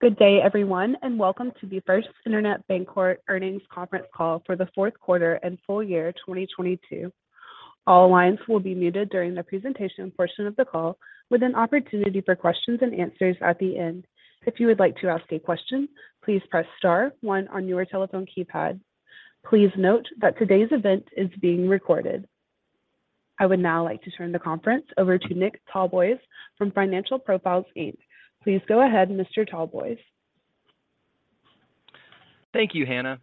Good day, everyone, and welcome to the First Internet Bancorp earnings conference call for the fourth quarter and full year 2022. All lines will be muted during the presentation portion of the call with an opportunity for questions and answers at the end. If you would like to ask a question, please press star 1 on your telephone keypad. Please note that today's event is being recorded. I would now like to turn the conference over to Larry Albert from Financial Profiles, Inc.. Please go ahead, Mr. Talboys. Thank you, Hannah.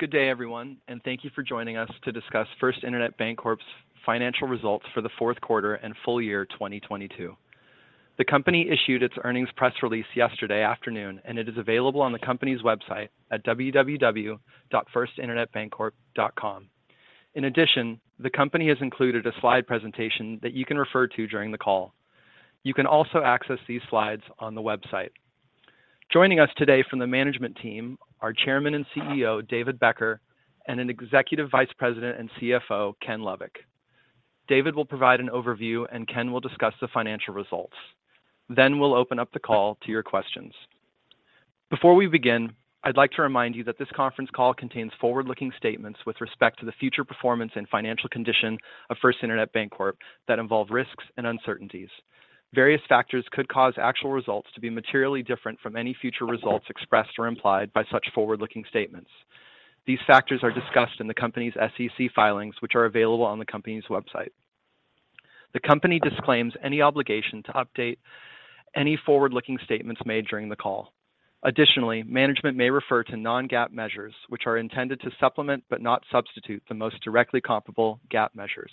Good day, everyone, and thank you for joining us to discuss First Internet Bancorp's financial results for the fourth quarter and full year 2022. The company issued its earnings press release yesterday afternoon, and it is available on the company's website at www.firstinternetbancorp.com. In addition, the company has included a slide presentation that you can refer to during the call. You can also access these slides on the website. Joining us today from the management team are Chairman and CEO, David Becker, and Executive Vice President and CFO, Ken Lovick. David will provide an overview and Ken will discuss the financial results. Then we'll open up the call to your questions. Before we begin, I'd like to remind you that this conference call contains forward-looking statements with respect to the future performance and financial condition of First Internet Bancorp that involve risks and uncertainties. Various factors could cause actual results to be materially different from any future results expressed or implied by such forward-looking statements. These factors are discussed in the company's SEC filings, which are available on the company's website. The company disclaims any obligation to update any forward-looking statements made during the call. Additionally, management may refer to non-GAAP measures, which are intended to supplement but not substitute the most directly comparable GAAP measures.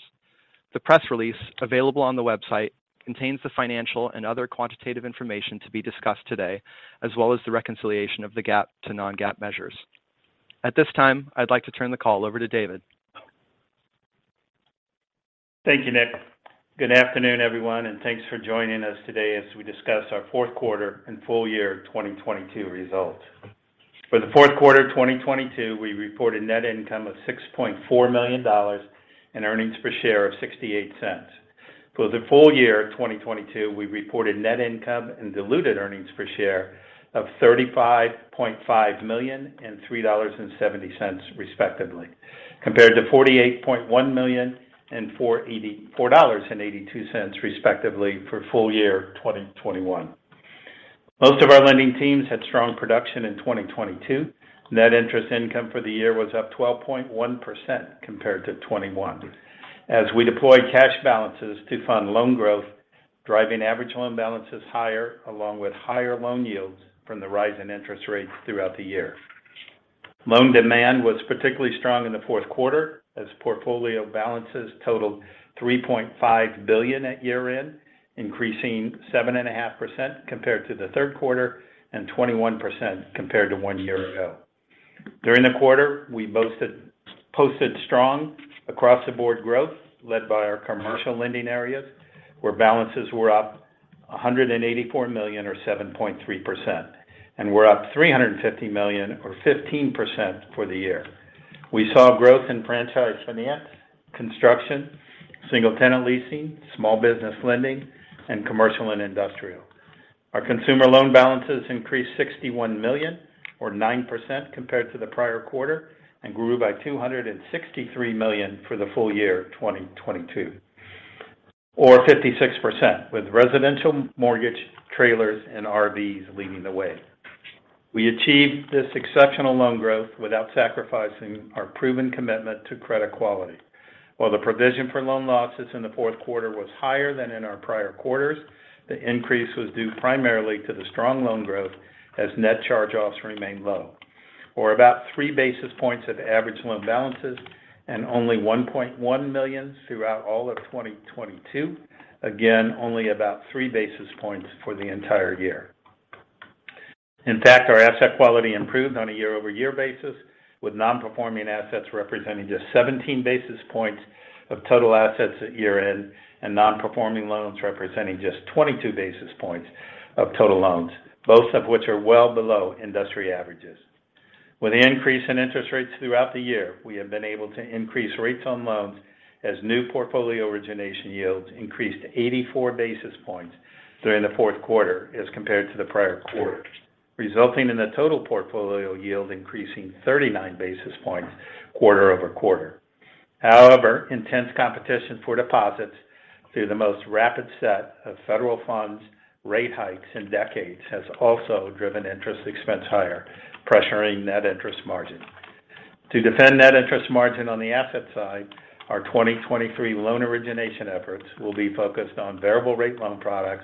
The press release available on the website contains the financial and other quantitative information to be discussed today, as well as the reconciliation of the GAAP to non-GAAP measures. At this time, I'd like to turn the call over to David. Thank you, Nick. Good afternoon, everyone, thanks for joining us today as we discuss our fourth quarter and full year 2022 results. For the fourth quarter 2022, we reported net income of $6.4 million and earnings per share of $0.68. For the full year 2022, we reported net income and diluted earnings per share of $35.5 million and $3.70 respectively, compared to $48.1 million and $4.82 respectively for full year 2021. Most of our lending teams had strong production in 2022. Net interest income for the year was up 12.1% compared to 2021 as we deployed cash balances to fund loan growth, driving average loan balances higher along with higher loan yields from the rise in interest rates throughout the year. Loan demand was particularly strong in the fourth quarter as portfolio balances totaled $3.5 billion at year-end, increasing 7.5% compared to the third quarter and 21% compared to 1 year ago. During the quarter, we posted strong across-the-board growth led by our commercial lending areas, where balances were up $184 million or 7.3% and were up $350 million or 15% for the year. We saw growth in franchise finance, construction, single-tenant leasing, small business lending, and commercial and industrial. Our consumer loan balances increased $61 million or 9% compared to the prior quarter and grew by $263 million for the full year 2022, or 56%, with residential mortgage trailers and RVs leading the way. We achieved this exceptional loan growth without sacrificing our proven commitment to credit quality. While the provision for loan losses in the fourth quarter was higher than in our prior quarters, the increase was due primarily to the strong loan growth as net charge-offs remained low, or about 3 basis points of average loan balances and only $1.1 million throughout all of 2022. Again, only about 3 basis points for the entire year. In fact, our asset quality improved on a year-over-year basis, with non-performing assets representing just 17 basis points of total assets at year-end and non-performing loans representing just 22 basis points of total loans, both of which are well below industry averages. With the increase in interest rates throughout the year, we have been able to increase rates on loans as new portfolio origination yields increased 84 basis points during the fourth quarter as compared to the prior quarter, resulting in the total portfolio yield increasing 39 basis points quarter-over-quarter. However, intense competition for deposits through the most rapid set of federal funds rate hikes in decades has also driven interest expense higher, pressuring net interest margin. To defend net interest margin on the asset side, our 2023 loan origination efforts will be focused on variable rate loan products,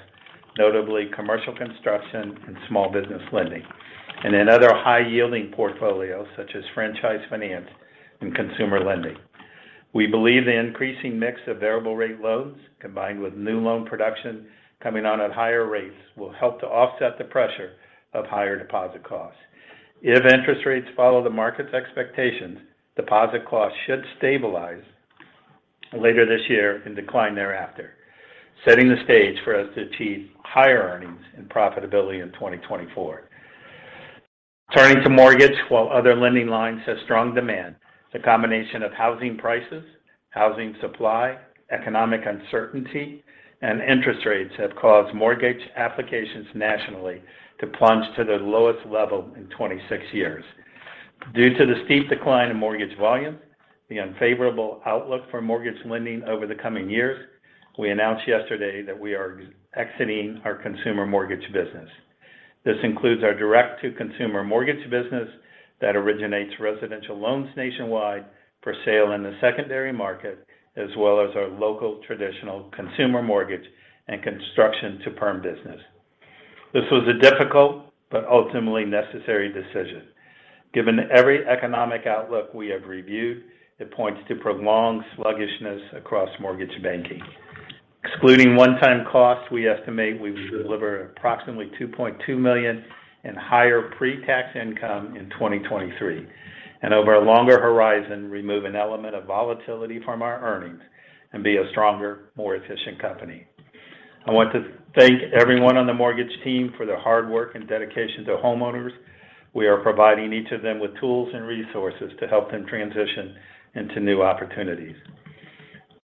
notably commercial construction and small business lending, and in other high-yielding portfolios such as franchise finance and consumer lending. We believe the increasing mix of variable rate loans combined with new loan production coming on at higher rates will help to offset the pressure of higher deposit costs. If interest rates follow the market's expectations, deposit costs should stabilize later this year and decline thereafter, setting the stage for us to achieve higher earnings and profitability in 2024. Turning to mortgage while other lending lines have strong demand. The combination of housing prices, housing supply, economic uncertainty, and interest rates have caused mortgage applications nationally to plunge to their lowest level in 26 years. Due to the steep decline in mortgage volume, the unfavorable outlook for mortgage lending over the coming years, we announced yesterday that we are exiting our consumer mortgage business. This includes our direct-to-consumer mortgage business that originates residential loans nationwide for sale in the secondary market, as well as our local traditional consumer mortgage and construction-to-permanent business. This was a difficult but ultimately necessary decision. Given every economic outlook we have reviewed, it points to prolonged sluggishness across mortgage banking. Excluding one-time costs, we estimate we will deliver approximately $2.2 million in higher pre-tax income in 2023, and over a longer horizon, remove an element of volatility from our earnings and be a stronger, more efficient company. I want to thank everyone on the mortgage team for their hard work and dedication to homeowners. We are providing each of them with tools and resources to help them transition into new opportunities.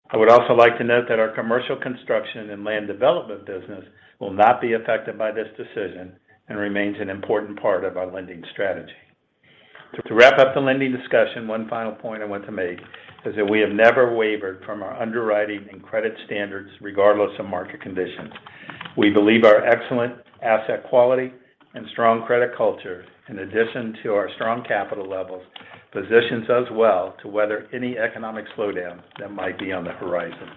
I would also like to note that our commercial construction and land development business will not be affected by this decision and remains an important part of our lending strategy. To wrap up the lending discussion, one final point I want to make is that we have never wavered from our underwriting and credit standards regardless of market conditions. We believe our excellent asset quality and strong credit culture, in addition to our strong capital levels, positions us well to weather any economic slowdown that might be on the horizon.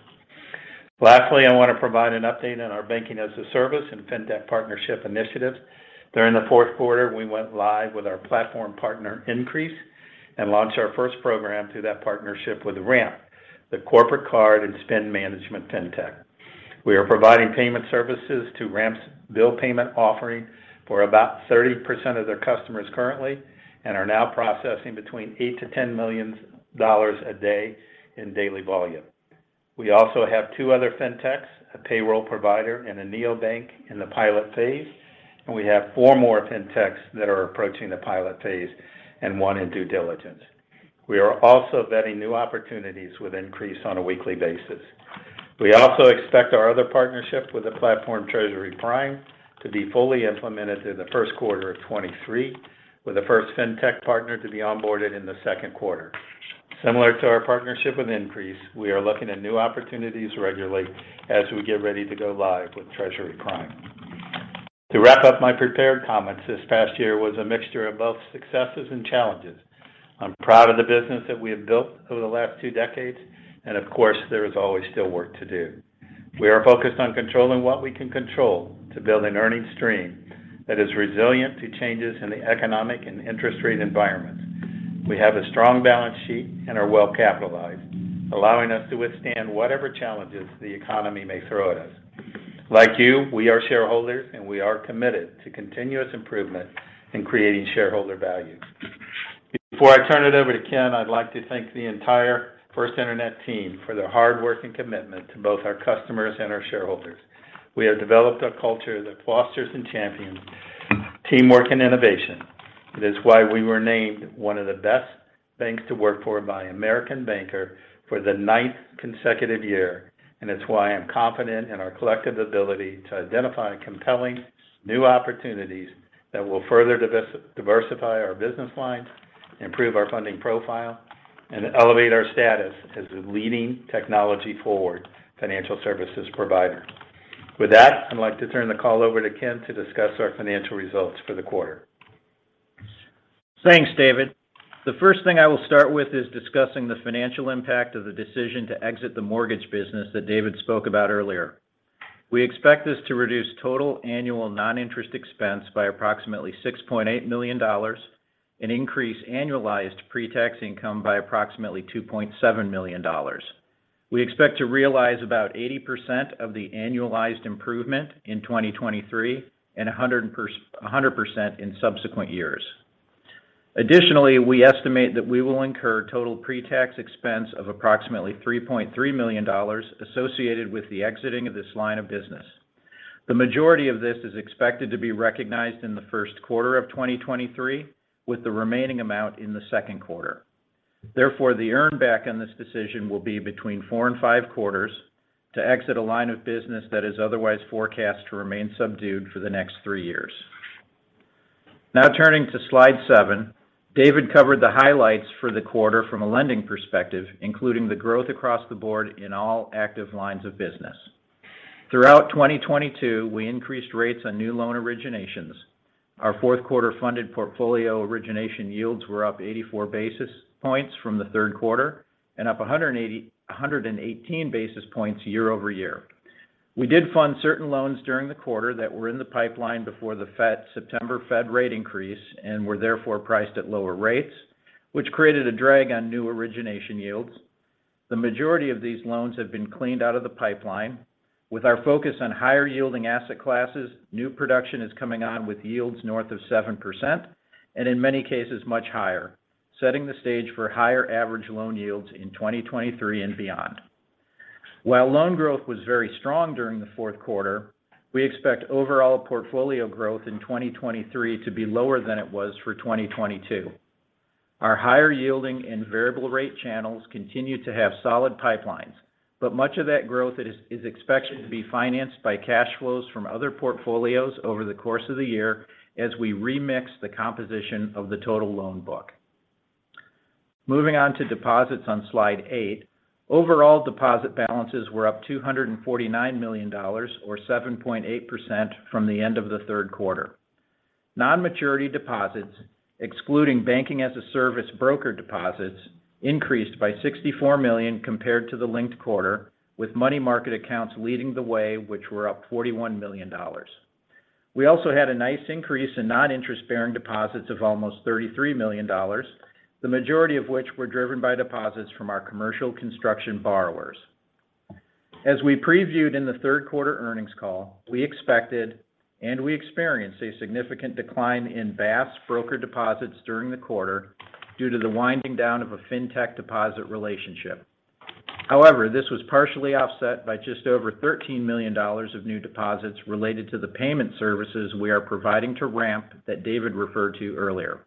Lastly, I want to provide an update on our Banking-as-a-Service and fintech partnership initiatives. During the fourth quarter, we went live with our platform partner Increase and launched our first program through that partnership with Ramp, the corporate card and spend management fintech. We are providing payment services to Ramp's bill payment offering for about 30% of their customers currently and are now processing between $8-$10 millions dollars a day in daily volume. We also have two other fintechs, a payroll provider and a neobank in the pilot phase, and we have four more fintechs that are approaching the pilot phase and one in due diligence. We are also vetting new opportunities with Increase on a weekly basis. We also expect our other partnership with the platform Treasury Prime to be fully implemented in the first quarter of 2023, with the first fintech partner to be onboarded in the second quarter. Similar to our partnership with Increase, we are looking at new opportunities regularly as we get ready to go live with Treasury Prime. To wrap up my prepared comments, this past year was a mixture of both successes and challenges. I'm proud of the business that we have built over the last two decades, and of course, there is always still work to do. We are focused on controlling what we can control to build an earnings stream that is resilient to changes in the economic and interest rate environment. We have a strong balance sheet and are well capitalized, allowing us to withstand whatever challenges the economy may throw at us. Like you, we are shareholders, and we are committed to continuous improvement in creating shareholder value. Before I turn it over to Ken, I'd like to thank the entire First Internet team for their hard work and commitment to both our customers and our shareholders. We have developed a culture that fosters and champions teamwork and innovation. It is why we were named one of the best banks to work for by American Banker for the ninth consecutive year, and it's why I'm confident in our collective ability to identify compelling new opportunities that will further diversify our business lines, improve our funding profile, and elevate our status as a leading technology-forward financial services provider. With that, I'd like to turn the call over to Ken to discuss our financial results for the quarter. Thanks, David. The first thing I will start with is discussing the financial impact of the decision to exit the mortgage business that David spoke about earlier. We expect this to reduce total annual non-interest expense by approximately $6.8 million and increase annualized pre-tax income by approximately $2.7 million. We expect to realize about 80% of the annualized improvement in 2023 and 100% in subsequent years. Additionally, we estimate that we will incur total pre-tax expense of approximately $3.3 million associated with the exiting of this line of business. The majority of this is expected to be recognized in the first quarter of 2023, with the remaining amount in the second quarter. Therefore, the earn back on this decision will be between 4 and 5 quarters to exit a line of business that is otherwise forecast to remain subdued for the next 3 years. Turning to slide 7. David covered the highlights for the quarter from a lending perspective, including the growth across the board in all active lines of business. Throughout 2022, we increased rates on new loan originations. Our fourth quarter funded portfolio origination yields were up 84 basis points from the third quarter and up 118 basis points year-over-year. We did fund certain loans during the quarter that were in the pipeline before the September Fed rate increase and were therefore priced at lower rates, which created a drag on new origination yields. The majority of these loans have been cleaned out of the pipeline. With our focus on higher-yielding asset classes, new production is coming on with yields north of 7% and in many cases much higher, setting the stage for higher average loan yields in 2023 and beyond. While loan growth was very strong during the fourth quarter, we expect overall portfolio growth in 2023 to be lower than it was for 2022. Our higher yielding and variable rate channels continue to have solid pipelines, but much of that growth is expected to be financed by cash flows from other portfolios over the course of the year as we remix the composition of the total loan book. Moving on to deposits on slide 8. Overall deposit balances were up $249 million or 7.8% from the end of the third quarter. Non-maturity deposits, excluding Banking-as-a-Service broker deposits, increased by $64 million compared to the linked quarter, with money market accounts leading the way, which were up $41 million. We also had a nice increase in non-interest-bearing deposits of almost $33 million, the majority of which were driven by deposits from our commercial construction borrowers. As we previewed in the third quarter earnings call, we expected and we experienced a significant decline in BaaS broker deposits during the quarter due to the winding down of a fintech deposit relationship. This was partially offset by just over $13 million of new deposits related to the payment services we are providing to Ramp that David referred to earlier.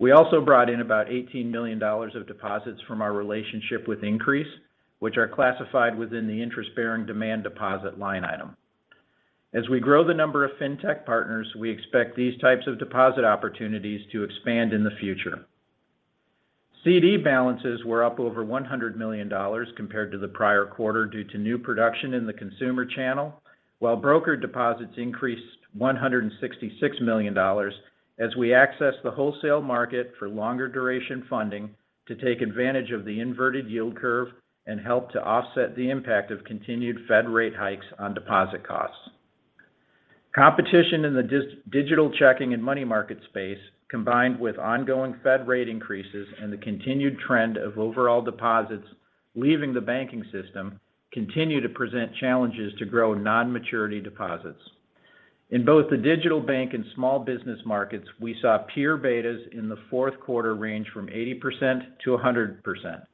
We also brought in about $18 million of deposits from our relationship with Increase, which are classified within the interest-bearing demand deposit line item. As we grow the number of fintech partners, we expect these types of deposit opportunities to expand in the future. CD balances were up over $100 million compared to the prior quarter due to new production in the consumer channel, while broker deposits increased $166 million as we access the wholesale market for longer duration funding to take advantage of the inverted yield curve and help to offset the impact of continued Fed rate hikes on deposit costs. Competition in the digital checking and money market space, combined with ongoing Fed rate increases and the continued trend of overall deposits leaving the banking system continue to present challenges to grow non-maturity deposits. In both the digital bank and small business markets, we saw peer betas in the fourth quarter range from 80% to 100%.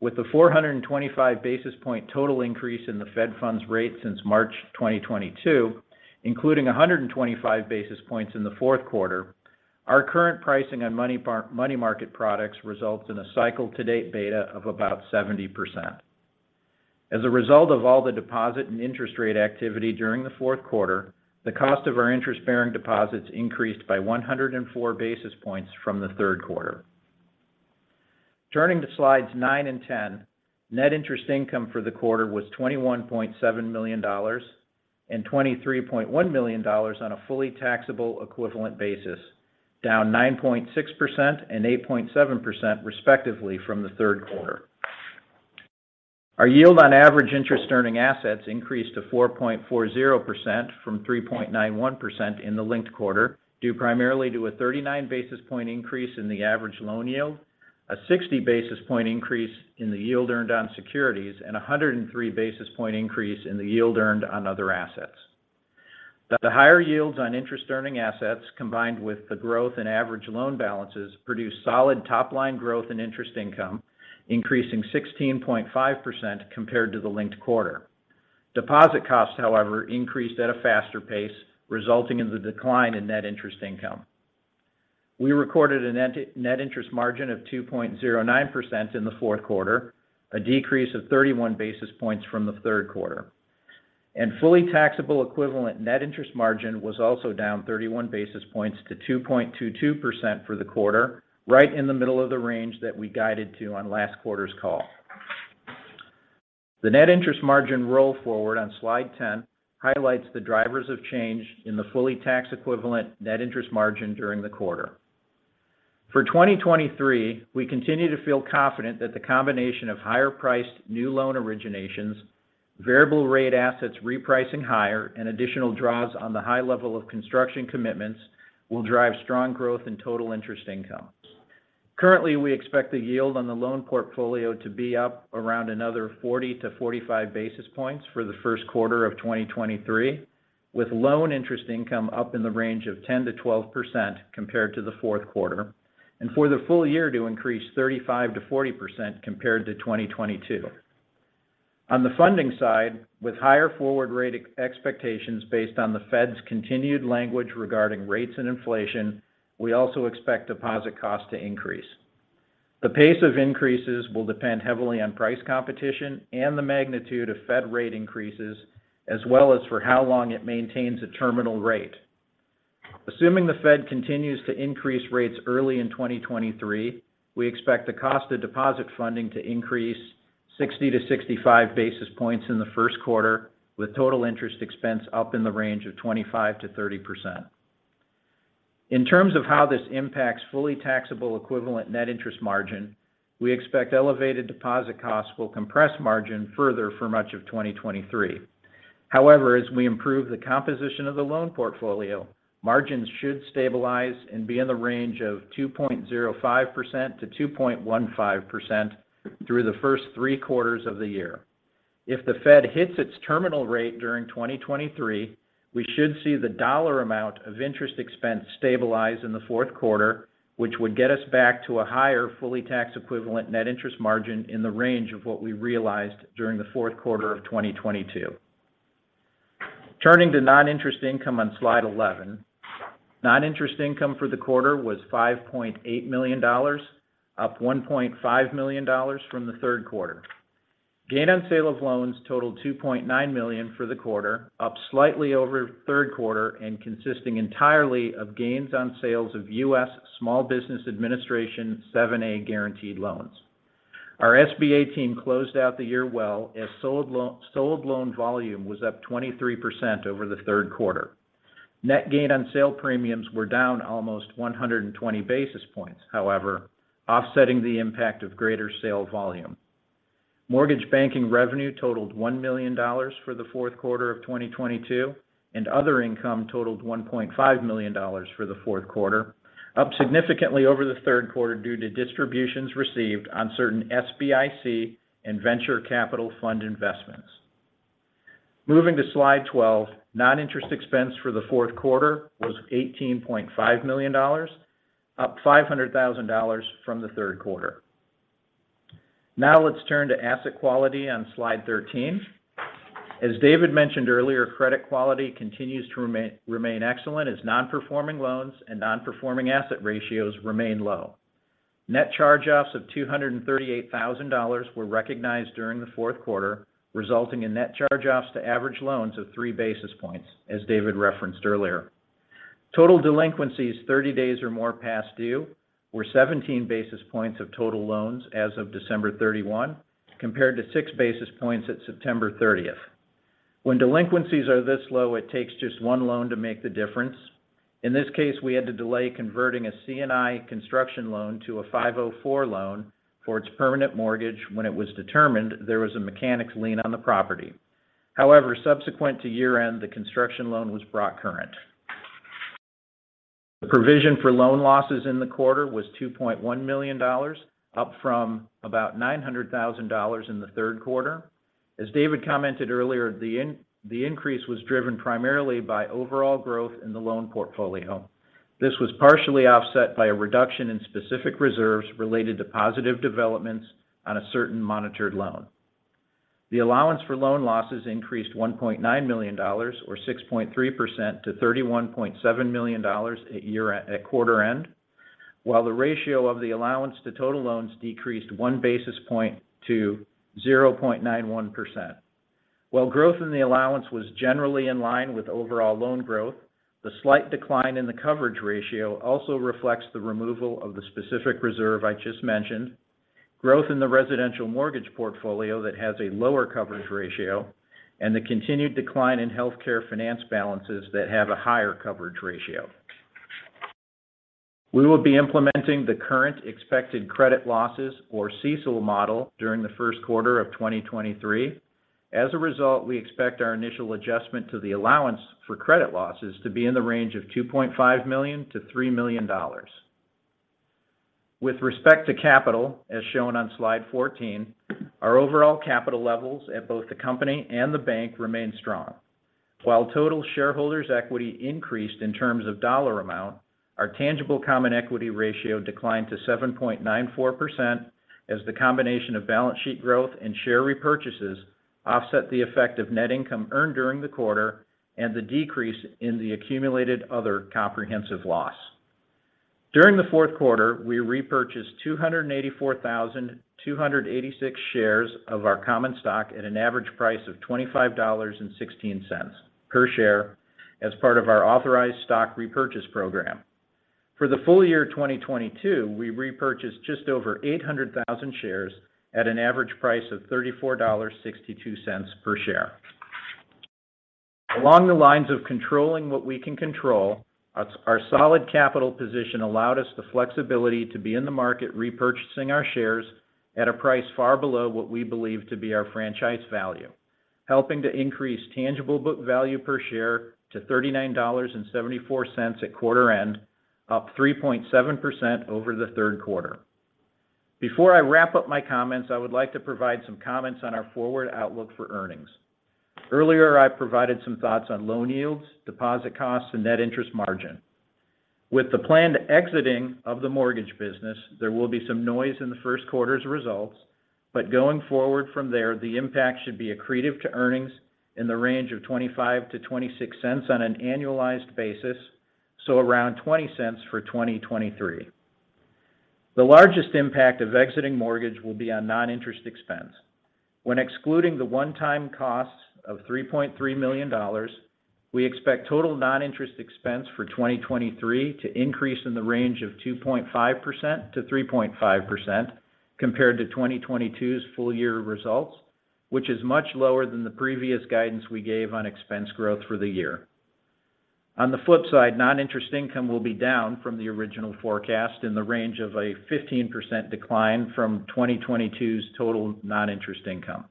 With the 425 basis point total increase in the Fed funds rate since March 2022, including 125 basis points in the fourth quarter, our current pricing on money market products results in a cycle to date beta of about 70%. As a result of all the deposit and interest rate activity during the fourth quarter, the cost of our interest-bearing deposits increased by 104 basis points from the third quarter. Turning to slides 9 and 10, net interest income for the quarter was $21.7 million and $23.1 million on a fully taxable equivalent basis, down 9.6% and 8.7% respectively from the third quarter. Our yield on average interest earning assets increased to 4.40% from 3.91% in the linked quarter, due primarily to a 39 basis point increase in the average loan yield, a 60 basis point increase in the yield earned on securities, and a 103 basis point increase in the yield earned on other assets. The higher yields on interest earning assets combined with the growth in average loan balances produced solid top line growth and interest income, increasing 16.5% compared to the linked quarter. Deposit costs, however, increased at a faster pace, resulting in the decline in net interest income. We recorded a net interest margin of 2.09% in the fourth quarter, a decrease of 31 basis points from the third quarter. Fully taxable equivalent net interest margin was also down 31 basis points to 2.22% for the quarter, right in the middle of the range that we guided to on last quarter's call. The net interest margin roll forward on slide 10 highlights the drivers of change in the fully tax equivalent net interest margin during the quarter. For 2023, we continue to feel confident that the combination of higher priced new loan originations, variable rate assets repricing higher, and additional draws on the high level of construction commitments will drive strong growth in total interest income. Currently, we expect the yield on the loan portfolio to be up around another 40-45 basis points for the first quarter of 2023, with loan interest income up in the range of 10%-12% compared to the fourth quarter. For the full year to increase 35%-40% compared to 2022. On the funding side, with higher forward rate expectations based on the Fed's continued language regarding rates and inflation, we also expect deposit costs to increase. The pace of increases will depend heavily on price competition and the magnitude of Fed rate increases, as well as for how long it maintains a terminal rate. Assuming the Fed continues to increase rates early in 2023, we expect the cost of deposit funding to increase 60 to 65 basis points in the first quarter, with total interest expense up in the range of 25%-30%. In terms of how this impacts fully taxable equivalent net interest margin, we expect elevated deposit costs will compress margin further for much of 2023. As we improve the composition of the loan portfolio, margins should stabilize and be in the range of 2.05%-2.15% through the first three quarters of the year. If the Fed hits its terminal rate during 2023, we should see the dollar amount of interest expense stabilize in the fourth quarter, which would get us back to a higher fully tax equivalent net interest margin in the range of what we realized during the fourth quarter of 2022. Turning to non-interest income on slide 11. Non-interest income for the quarter was $5.8 million, up $1.5 million from the third quarter. Gain on sale of loans totaled $2.9 million for the quarter, up slightly over third quarter and consisting entirely of gains on sales of U.S. Small Business Administration 7(a) guaranteed loans. Our SBA team closed out the year well as sold loan volume was up 23% over the third quarter. Net gain on sale premiums were down almost 120 basis points, however, offsetting the impact of greater sale volume. Mortgage banking revenue totaled $1 million for the fourth quarter of 2022, and other income totaled $1.5 million for the fourth quarter, up significantly over the third quarter due to distributions received on certain SBIC and venture capital fund investments. Moving to slide 12, non-interest expense for the fourth quarter was $18.5 million, up $500,000 from the third quarter. Let's turn to asset quality on slide 13. As David mentioned earlier, credit quality continues to remain excellent as non-performing loans and non-performing asset ratios remain low. Net charge-offs of $238,000 were recognized during the fourth quarter, resulting in net charge-offs to average loans of 3 basis points, as David referenced earlier. Total delinquencies 30 days or more past due were 17 basis points of total loans as of December 31, compared to 6 basis points at September 30th. When delinquencies are this low, it takes just 1 loan to make the difference. In this case, we had to delay converting a C&I construction loan to a 504 loan for its permanent mortgage when it was determined there was a mechanic's lien on the property. However, subsequent to year-end, the construction loan was brought current. The provision for loan losses in the quarter was $2.1 million, up from about $900,000 in the third quarter. As David commented earlier, the increase was driven primarily by overall growth in the loan portfolio. This was partially offset by a reduction in specific reserves related to positive developments on a certain monitored loan. The allowance for loan losses increased $1.9 million or 6.3% to $31.7 million at quarter end, while the ratio of the allowance to total loans decreased 1 basis point to 0.91%. While growth in the allowance was generally in line with overall loan growth, the slight decline in the coverage ratio also reflects the removal of the specific reserve I just mentioned. Growth in the residential mortgage portfolio that has a lower coverage ratio and the continued decline in healthcare finance balances that have a higher coverage ratio. We will be implementing the Current Expected Credit Losses or CECL model during the first quarter of 2023. As a result, we expect our initial adjustment to the allowance for credit losses to be in the range of $2.5 million-$3 million. With respect to capital, as shown on slide 14, our overall capital levels at both the company and the bank remain strong. While total shareholders equity increased in terms of dollar amount, our tangible common equity ratio declined to 7.94% as the combination of balance sheet growth and share repurchases offset the effect of net income earned during the quarter and the decrease in the accumulated other comprehensive loss. During the fourth quarter, we repurchased 284,286 shares of our common stock at an average price of $25.16 per share as part of our authorized stock repurchase program. For the full year 2022, we repurchased just over 800,000 shares at an average price of $34.62 per share. Along the lines of controlling what we can control, our solid capital position allowed us the flexibility to be in the market repurchasing our shares at a price far below what we believe to be our franchise value, helping to increase tangible book value per share to $39.74 at quarter end, up 3.7% over the third quarter. Before I wrap up my comments, I would like to provide some comments on our forward outlook for earnings. Earlier, I provided some thoughts on loan yields, deposit costs, and net interest margin. With the planned exiting of the mortgage business, there will be some noise in the first quarter's results, but going forward from there, the impact should be accretive to earnings in the range of $0.25-$0.26 on an annualized basis, so around $0.20 for 2023. The largest impact of exiting mortgage will be on non-interest expense. When excluding the one-time cost of $3.3 million, we expect total non-interest expense for 2023 to increase in the range of 2.5%-3.5% compared to 2022's full year results, which is much lower than the previous guidance we gave on expense growth for the year. On the flip side, non-interest income will be down from the original forecast in the range of a 15% decline from 2022's total non-interest income.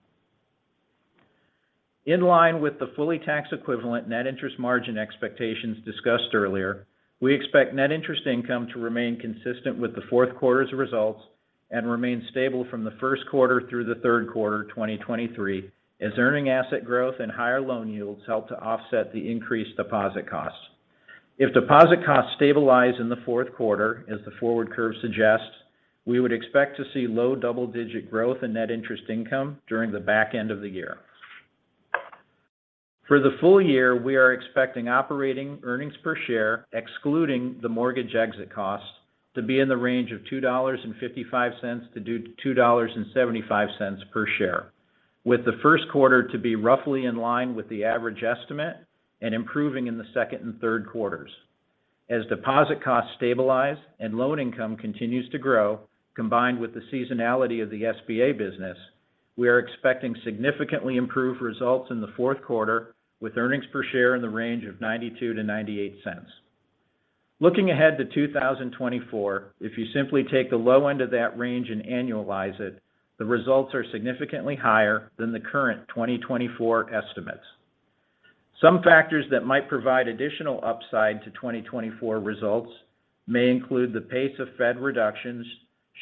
In line with the fully taxable equivalent net interest margin expectations discussed earlier, we expect net interest income to remain consistent with the fourth quarter's results and remain stable from the first quarter through the third quarter 2023 as earning asset growth and higher loan yields help to offset the increased deposit costs. If deposit costs stabilize in the fourth quarter, as the forward curve suggests, we would expect to see low double-digit growth in net interest income during the back end of the year. For the full year, we are expecting operating earnings per share, excluding the mortgage exit costs, to be in the range of $2.55-$2.75 per share, with the first quarter to be roughly in line with the average estimate and improving in the second and third quarters. As deposit costs stabilize and loan income continues to grow combined with the seasonality of the SBA business, we are expecting significantly improved results in the fourth quarter with earnings per share in the range of $0.92-$0.98. Looking ahead to 2024, if you simply take the low end of that range and annualize it, the results are significantly higher than the current 2024 estimates. Some factors that might provide additional upside to 2024 results may include the pace of Fed reductions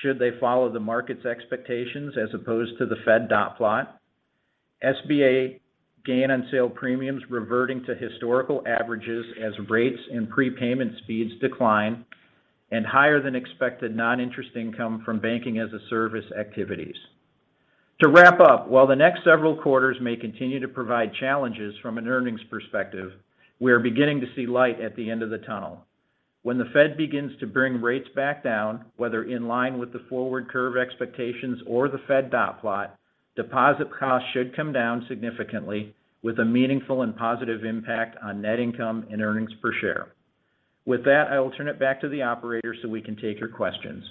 should they follow the market's expectations as opposed to the Fed dot plot. SBA gain on sale premiums reverting to historical averages as rates and prepayment speeds decline and higher than expected non-interest income from Banking-as-a-Service activities. To wrap up, while the next several quarters may continue to provide challenges from an earnings perspective, we are beginning to see light at the end of the tunnel. When the Fed begins to bring rates back down, whether in line with the forward curve expectations or the Fed dot plot, deposit costs should come down significantly with a meaningful and positive impact on net income and earnings per share. With that, I will turn it back to the operator so we can take your questions.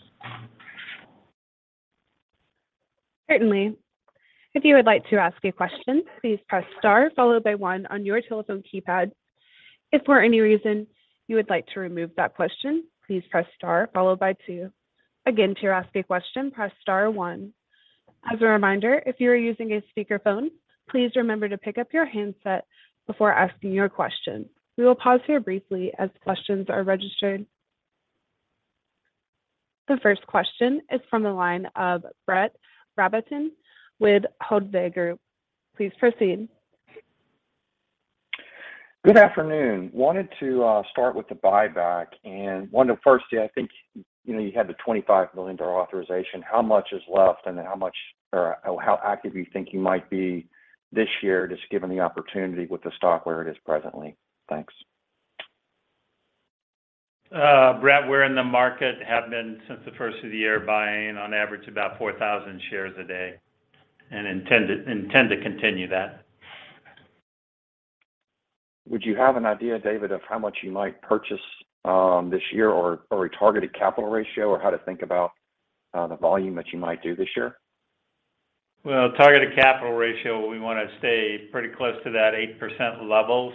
Certainly. If you would like to ask a question, please press star followed by one on your telephone keypad. If for any reason you would like to remove that question, please press star followed by two. Again, to ask a question, press star one. As a reminder, if you are using a speakerphone, please remember to pick up your handset before asking your question. We will pause here briefly as questions are registered. The first question is from the line of Brett Rabatin with Hovde Group. Please proceed. Good afternoon. Wanted to start with the buyback and wonder firstly, I think, you know, you had the $25 million authorization. How much is left and how much or how active you think you might be this year, just given the opportunity with the stock where it is presently? Thanks. Brett, we're in the market, have been since the first of the year buying on average about 4,000 shares a day and intend to continue that. Would you have an idea, David, of how much you might purchase this year or a targeted capital ratio or how to think about the volume that you might do this year? Targeted capital ratio, we want to stay pretty close to that 8% level.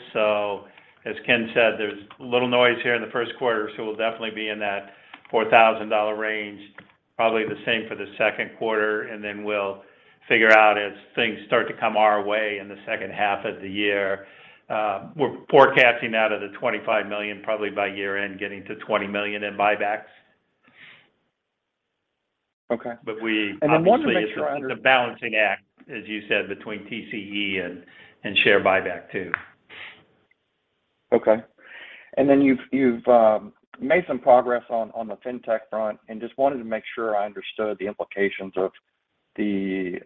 As Ken said, there's a little noise here in the first quarter, so we'll definitely be in that $4,000 range, probably the same for the second quarter. We'll figure out as things start to come our way in the second half of the year. We're forecasting out of the $25 million probably by year-end getting to $20 million in buybacks. Okay. we wanted to make sure I. It's a balancing act, as you said, between TCE and share buyback too. Okay. You've made some progress on the fintech front and just wanted to make sure I understood the implications of the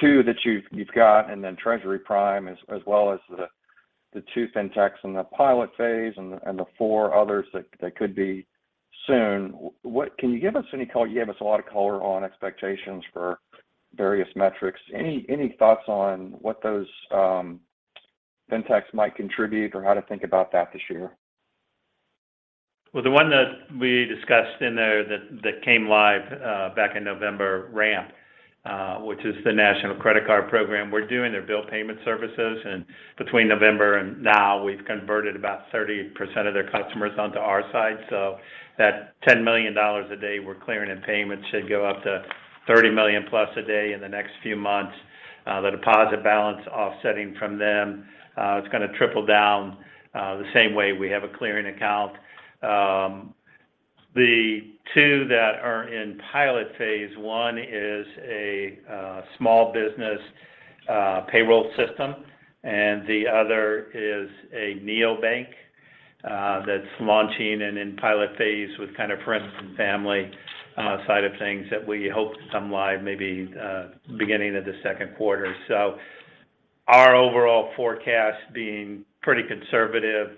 two that you've got and then Treasury Prime as well as the two fintechs in the pilot phase and the four others that could be soon. Can you give us any color? You gave us a lot of color on expectations for various metrics. Any thoughts on what those fintechs might contribute or how to think about that this year? Well, the one that we discussed in there that came live back in November, Ramp, which is the national credit card program. We're doing their bill payment services. Between November and now, we've converted about 30% of their customers onto our side. That $10 million a day we're clearing in payments should go up to $30 million-plus a day in the next few months. The deposit balance offsetting from them, it's gonna triple down the same way we have a clearing account. The two that are in pilot phase, one is a small business payroll system, and the other is a neobank that's launching and in pilot phase with kind of friends and family side of things that we hope to come live maybe beginning of the second quarter. Our overall forecast being pretty conservative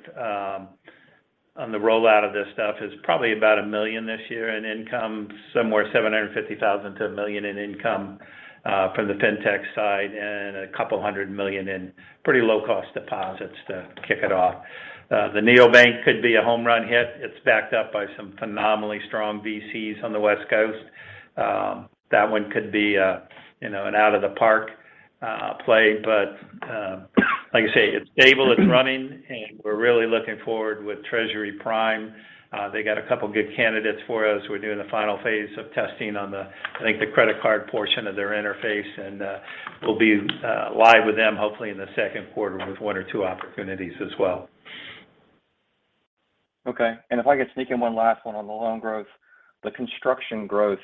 on the rollout of this stuff is probably about $1 million this year in income, somewhere $750,000-$1 million in income from the fintech side and $200 million in pretty low-cost deposits to kick it off. The neobank could be a home run hit. It's backed up by some phenomenally strong VCs on the West Coast. That one could be, you know, an out of the park play. Like I say, it's stable, it's running, and we're really looking forward with Treasury Prime. They got a couple of good candidates for us. We're doing the final phase of testing, I think the credit card portion of their interface. We'll be live with them hopefully in the second quarter with one or two opportunities as well. Okay. If I could sneak in one last one on the loan growth. The construction growth,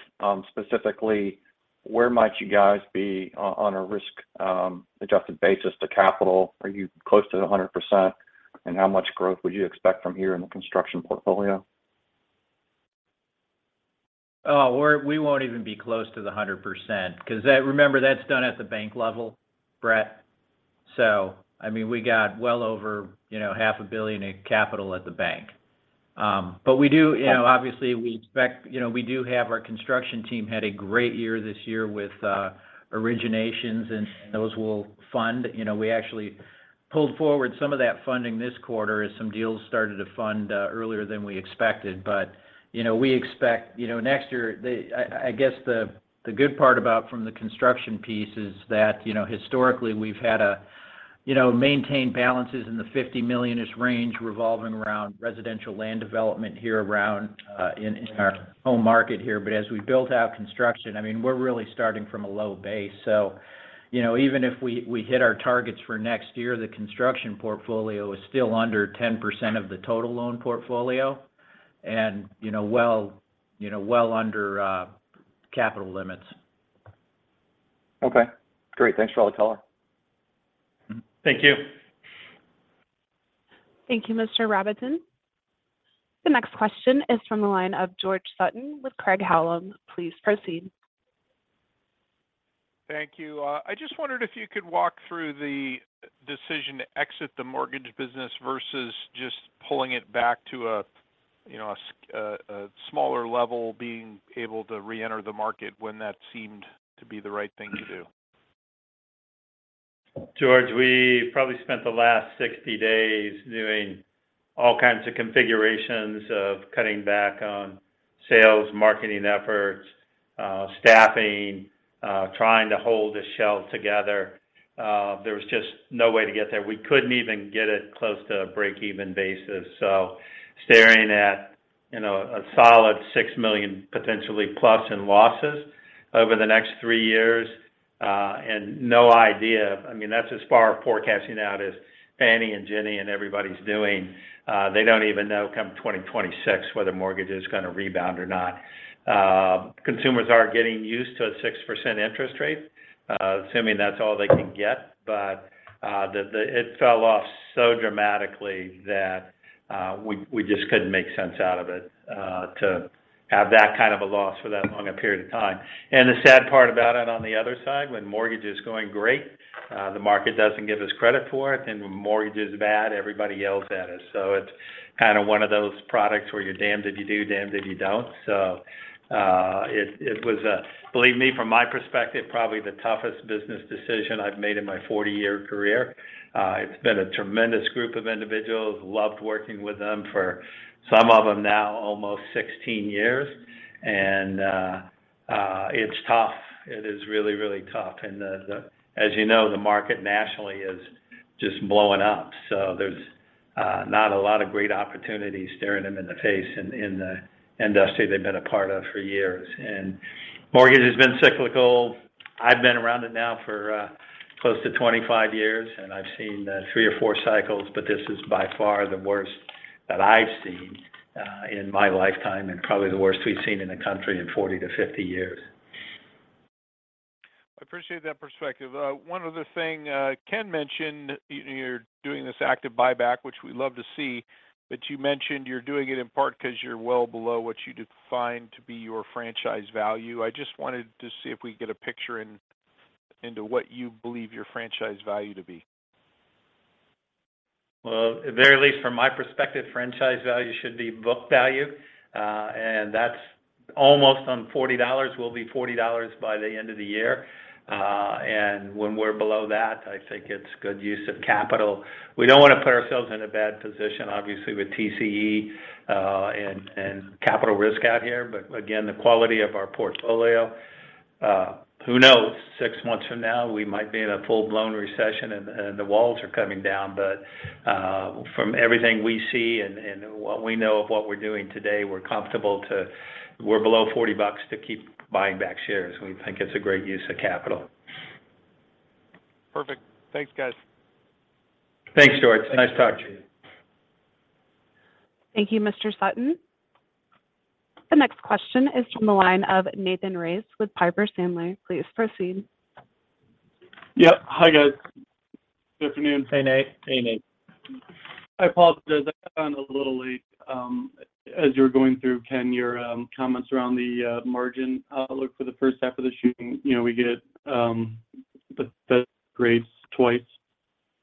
specifically, where might you guys be on a risk adjusted basis to capital? Are you close to the 100%? How much growth would you expect from here in the construction portfolio? We won't even be close to the 100% because that, remember, that's done at the bank level, Brett. I mean, we got well over, you know, half a billion in capital at the bank. We do, you know, obviously, we do have our construction team had a great year this year with originations, and those will fund. You know, we actually pulled forward some of that funding this quarter as some deals started to fund earlier than we expected. You know, we expect, you know, next year I guess the good part about from the construction piece is that, you know, historically we've had a, you know, maintain balances in the $50 million-ish range revolving around residential land development here around in our home market here. As we built out construction, I mean, we're really starting from a low base. You know, even if we hit our targets for next year, the construction portfolio is still under 10% of the total loan portfolio and, you know, well, you know, well under capital limits. Okay, great. Thanks for all the color. Thank you. Thank you, Mr. Rabatin. The next question is from the line of George Sutton with Craig-Hallum. Please proceed. Thank you. I just wondered if you could walk through the decision to exit the mortgage business versus just pulling it back to a, you know, a smaller level, being able to reenter the market when that seemed to be the right thing to do? George, we probably spent the last 60 days doing all kinds of configurations of cutting back on sales, marketing efforts, staffing, trying to hold this shell together. There was just no way to get there. We couldn't even get it close to a break-even basis. Staring at, you know, a solid $6 million potentially plus in losses over the next three years, and no idea. I mean, that's as far as forecasting out as Fannie and Ginnie and everybody's doing. They don't even know come 2026 whether mortgage is gonna rebound or not. Consumers are getting used to a 6% interest rate, assuming that's all they can get. It fell off so dramatically that we just couldn't make sense out of it to have that kind of a loss for that long a period of time. The sad part about it on the other side, when mortgage is going great, the market doesn't give us credit for it, and when mortgage is bad, everybody yells at us. It's kind of one of those products where you're damned if you do, damned if you don't. It was, believe me, from my perspective, probably the toughest business decision I've made in my 40-year career. It's been a tremendous group of individuals. Loved working with them for some of them now almost 16 years. It's tough. It is really, really tough. As you know, the market nationally is just blowing up. There's not a lot of great opportunities staring them in the face in the industry they've been a part of for years. Mortgage has been cyclical. I've been around it now for close to 25 years, and I've seen three or four cycles, but this is by far the worst that I've seen in my lifetime and probably the worst we've seen in the country in 40 to 50 years. I appreciate that perspective. One other thing, Ken mentioned, you know, you're doing this active buyback, which we love to see. You mentioned you're doing it in part because you're well below what you define to be your franchise value. I just wanted to see if we could get a picture in, into what you believe your franchise value to be. Well, at the very least, from my perspective, franchise value should be book value. That's almost on $40. We'll be $40 by the end of the year. When we're below that, I think it's good use of capital. We don't want to put ourselves in a bad position, obviously, with TCE, and capital risk out here. Again, the quality of our portfolio, who knows? 6 months from now, we might be in a full-blown recession and the walls are coming down. From everything we see and what we know of what we're doing today, we're comfortable to we're below $40 to keep buying back shares. We think it's a great use of capital. Perfect. Thanks, guys. Thanks, George. Nice talking to you. Thank you, Mr. Sutton. The next question is from the line of Nathan Race with Piper Sandler. Please proceed. Yep. Hi, guys. Good afternoon. Hey, Nate. Hey, Nate. I apologize. I found a little late, as you're going through, Ken, your comments around the margin outlook for the first half of the shooting. You know, we get the best grades twice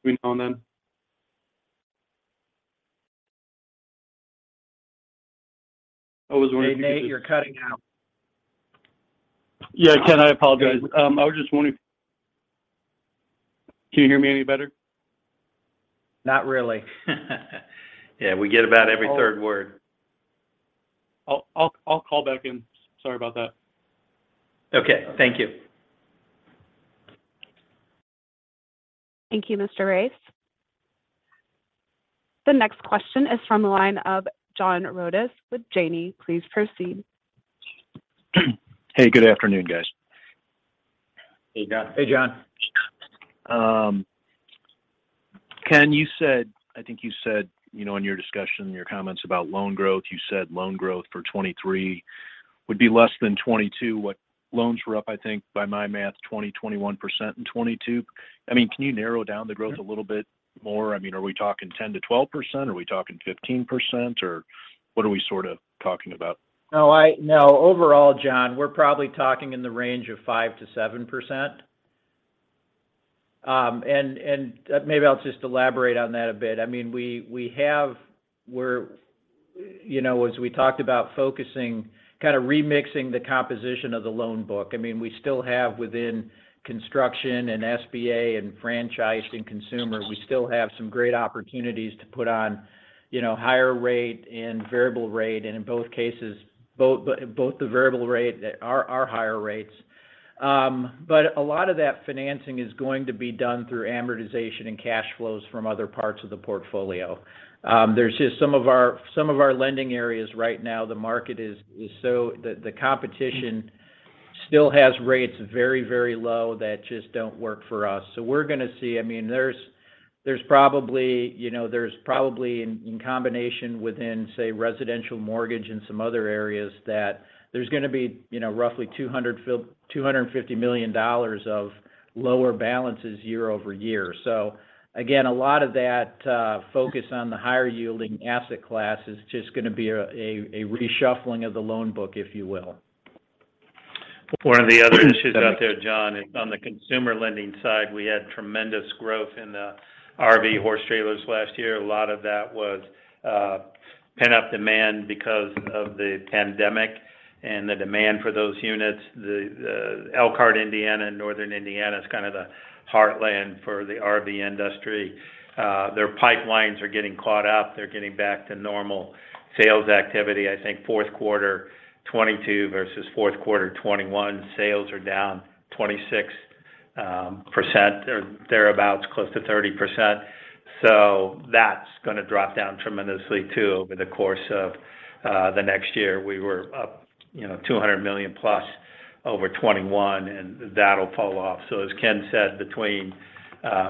every now and then. I was wondering. Hey, Nate, you're cutting out. Yeah, Ken, I apologize. I was just wondering. Can you hear me any better? Not really. Yeah, we get about every third word. I'll call back in. Sorry about that. Okay. Thank you. Thank you, Mr. Race. The next question is from the line of John Rodis with Janney Montgomery Scott. Please proceed. Hey, good afternoon, guys. Hey, John. Hey, John. Ken, I think you said, you know, in your discussion, in your comments about loan growth, you said loan growth for 2023 would be less than 2022. Loans were up, I think, by my math, 21% in 2022. I mean, can you narrow down the growth a little bit more? I mean, are we talking 10%-12%? Are we talking 15%? What are we sort of talking about? No. No. Overall, John, we're probably talking in the range of 5%-7%. Maybe I'll just elaborate on that a bit. I mean, we have. You know, as we talked about focusing, kind of remixing the composition of the loan book. I mean, we still have within construction and SBA and franchise and consumer, we still have some great opportunities to put on, you know, higher rate and variable rate. In both cases, both the variable rate are higher rates. A lot of that financing is going to be done through amortization and cash flows from other parts of the portfolio. There's just some of our lending areas right now, the market is so the competition still has rates very low that just don't work for us. We're gonna see... I mean, there's probably, you know, there's probably in combination within, say, residential mortgage and some other areas that there's gonna be, you know, roughly $250 million of lower balances year-over-year. Again, a lot of that focus on the higher yielding asset class is just gonna be a reshuffling of the loan book, if you will. One of the other issues out there, John, is on the consumer lending side, we had tremendous growth in the RV horse trailers last year. A lot of that was pent-up demand because of the pandemic and the demand for those units. The Elkhart, Indiana, and Northern Indiana is kind of the heartland for the RV industry. Their pipelines are getting caught up. They're getting back to normal sales activity. I think fourth quarter 2022 versus fourth quarter 2021, sales are down 26% or thereabout, close to 30%. That's gonna drop down tremendously too over the course of the next year. We were up, you know, $200 million-plus over 2021, and that'll fall off. As Ken said, between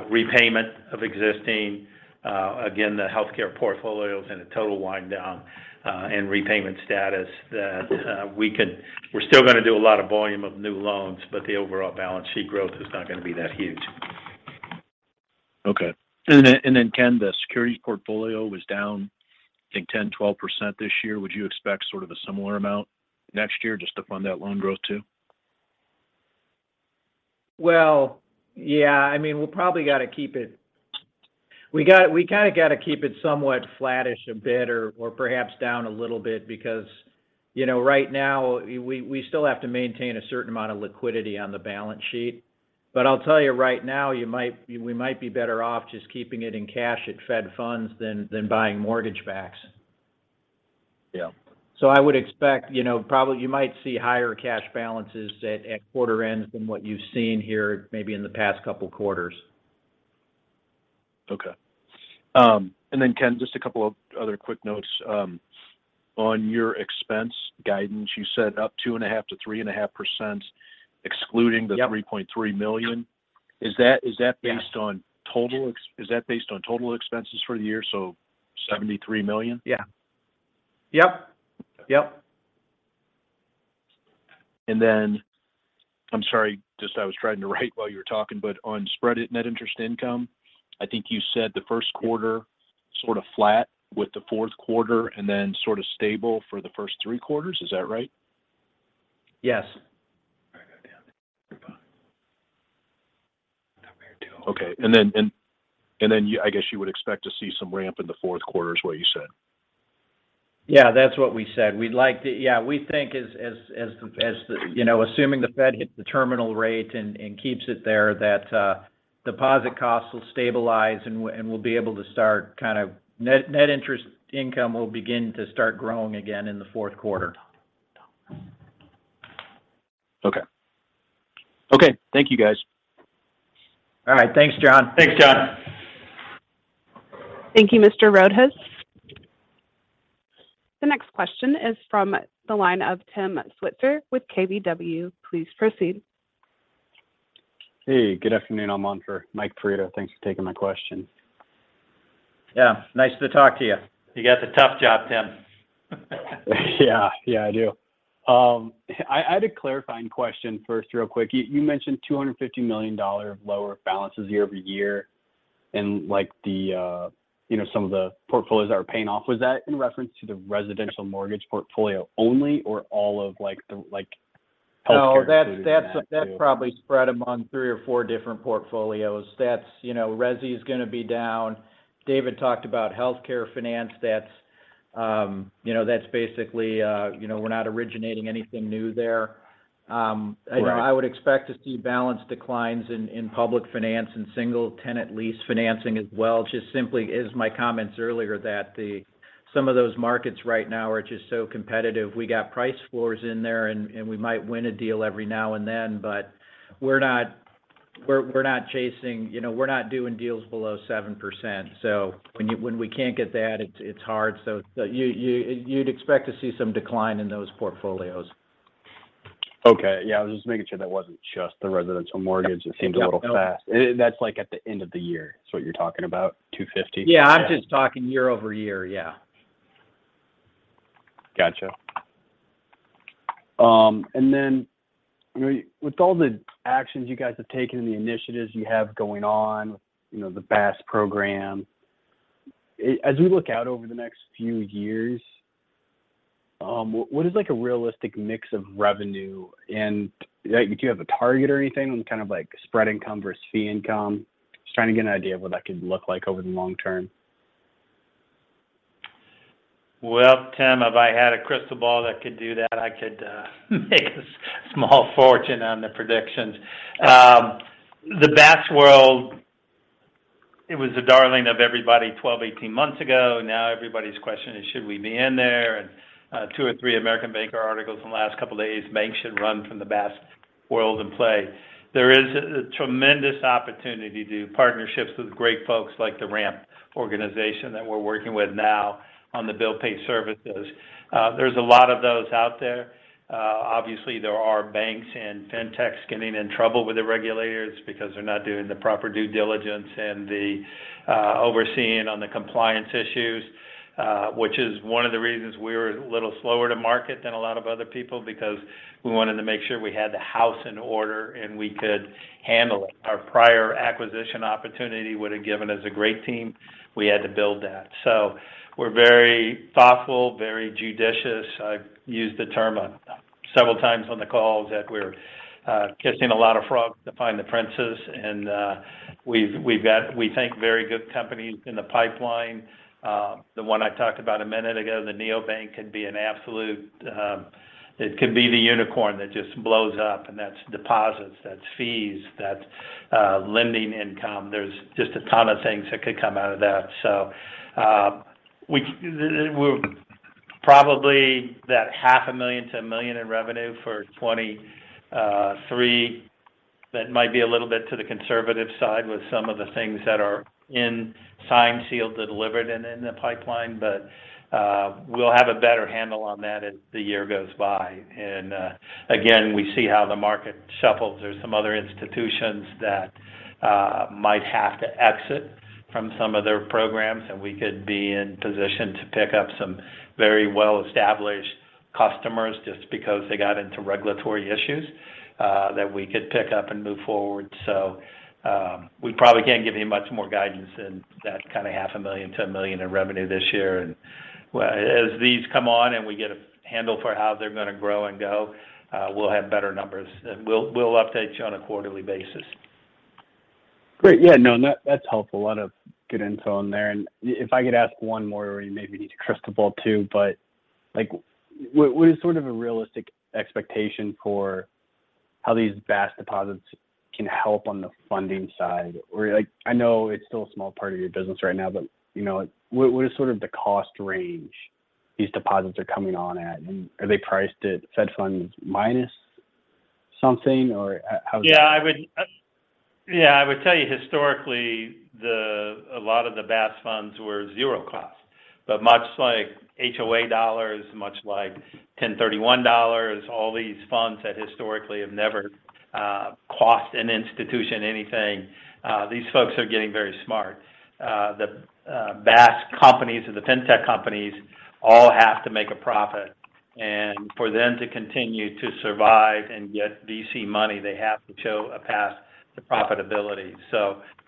repayment of existing again, the healthcare portfolios and the total wind down and repayment status that We're still gonna do a lot of volume of new loans, but the overall balance sheet growth is not gonna be that huge. Okay. Then Ken, the security portfolio was down, I think, 10%, 12% this year. Would you expect sort of a similar amount next year just to fund that loan growth too? Well, yeah. I mean, we kinda gotta keep it somewhat flattish a bit or perhaps down a little bit because, you know, right now we still have to maintain a certain amount of liquidity on the balance sheet. I'll tell you right now, we might be better off just keeping it in cash at Fed funds than buying mortgage backs. Yeah. I would expect, you know, probably you might see higher cash balances at quarter end than what you've seen here maybe in the past couple quarters. Okay. Ken, just a couple of other quick notes. On your expense guidance, you said up 2.5%-3.5% excluding. Yep... the $3.3 million. Is that based on total expenses for the year, so $73 million? Yeah. Yep. Yep. I'm sorry. Just I was trying to write while you were talking. On spread net interest income, I think you said the first quarter sort of flat with the fourth quarter and then sort of stable for the first three quarters. Is that right? Yes. Write that down. We're fine. That there too. Okay. I guess you would expect to see some ramp in the fourth quarter is what you said. Yeah, that's what we said. Yeah. We think as the, you know, assuming the Fed hits the terminal rate and keeps it there, that deposit costs will stabilize, and we'll be able to start kind of net interest income will begin to start growing again in the fourth quarter. Don't. Okay. Okay. Thank you, guys. All right. Thanks, John. Thanks, John. Thank you, Mr. Rodis. The next question is from the line of Tim Switzer with KBW. Please proceed. Hey, good afternoon. I'm on for Michael Perito. Thanks for taking my question. Yeah. Nice to talk to you. You got the tough job, Tim. Yeah. Yeah, I do. I had a clarifying question first real quick. You mentioned $250 million lower balances year-over-year and, like, the, you know, some of the portfolios that are paying off. Was that in reference to the residential mortgage portfolio only or all of, like the healthcare included in that too? No, that's probably spread among 3 or 4 different portfolios. That's, you know, resi is gonna be down. David talked about healthcare finance. That's, you know, that's basically, you know, we're not originating anything new there. Right... you know, I would expect to see balance declines in public finance and single tenant lease financing as well. Just simply is my comments earlier that some of those markets right now are just so competitive. We got price floors in there and we might win a deal every now and then, but we're not. We're not chasing... You know, we're not doing deals below 7%. When we can't get that, it's hard. You'd expect to see some decline in those portfolios. Yeah, I was just making sure that wasn't just the residential mortgage. Yeah. No. It seemed a little fast. That's, like, at the end of the year is what you're talking about, 2.50? Yeah. I'm just talking year-over-year. Yeah. Gotcha. You know, with all the actions you guys have taken and the initiatives you have going on, you know, the BaaS program, as we look out over the next few years, what is, like, a realistic mix of revenue? Like, do you have a target or anything on kind of, like, spread income versus fee income? Just trying to get an idea of what that could look like over the long term. Well, Tim, if I had a crystal ball that could do that, I could make a small fortune on the predictions. The BaaS world, it was the darling of everybody 12, 18 months ago. Now everybody's question is, should we be in there? 2 or 3 American Banker articles in the last couple days, banks should run from the BaaS world and play. There is a tremendous opportunity to do partnerships with great folks like the Ramp organization that we're working with now on the bill pay services. There's a lot of those out there. Obviously, there are banks and fintechs getting in trouble with the regulators because they're not doing the proper due diligence and the overseeing on the compliance issues. Which is one of the reasons we're a little slower to market than a lot of other people because we wanted to make sure we had the house in order, and we could handle it. Our prior acquisition opportunity would've given us a great team. We had to build that. We're very thoughtful, very judicious. I've used the term several times on the calls that we're kissing a lot of frogs to find the princes. We've, we've got, we think, very good companies in the pipeline. The one I talked about a minute ago, the neobank, could be an absolute. It could be the unicorn that just blows up, and that's deposits, that's fees, that's lending income. There's just a ton of things that could come out of that. We're probably that $half a million-$1 million in revenue for 2023. That might be a little bit to the conservative side with some of the things that are in signed, sealed, and delivered and in the pipeline. We'll have a better handle on that as the year goes by. Again, we see how the market shuffles. There's some other institutions that might have to exit from some of their programs, and we could be in position to pick up some very well-established customers just because they got into regulatory issues that we could pick up and move forward. We probably can't give you much more guidance than that kind of $half a million-$1 million in revenue this year. as these come on and we get a handle for how they're gonna grow and go, we'll have better numbers. We'll update you on a quarterly basis. Great. Yeah, no, that's helpful. A lot of good intel in there. If I could ask one more where you maybe need a crystal ball, too. Like, what is sort of a realistic expectation for how these BaaS deposits can help on the funding side? Like, I know it's still a small part of your business right now, but, you know, what is sort of the cost range these deposits are coming on at? Are they priced at Fed funds minus something? Or how does that. Yeah. I would tell you historically, a lot of the BaaS funds were zero cost. Much like HOA dollars, much like 1031 dollars, all these funds that historically have never cost an institution anything, these folks are getting very smart. The BaaS companies or the fintech companies all have to make a profit. For them to continue to survive and get VC money, they have to show a path to profitability.